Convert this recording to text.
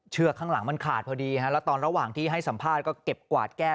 ข้างหลังมันขาดพอดีแล้วตอนระหว่างที่ให้สัมภาษณ์ก็เก็บกวาดแก้